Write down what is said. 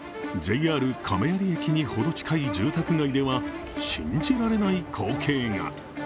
ＪＲ亀有駅にほど近い住宅街では信じられない光景が。